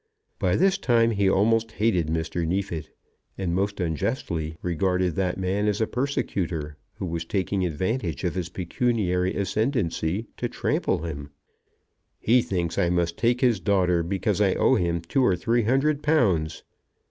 By this time he almost hated Mr. Neefit, and most unjustly regarded that man as a persecutor, who was taking advantage of his pecuniary ascendancy to trample on him. "He thinks I must take his daughter because I owe him two or three hundred pounds."